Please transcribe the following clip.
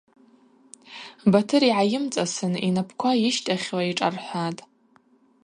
Батыр йгӏайымцӏасын йнапӏква йыщтахьла йшӏархӏватӏ.